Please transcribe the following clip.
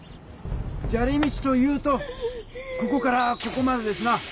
じゃり道というとここからここまでですな。